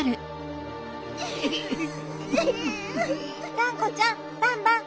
がんこちゃんバンバン！